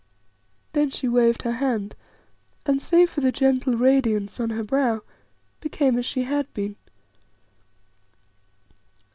Then she waved her hand, and, save for the gentle radiance on her brow, became as she had been.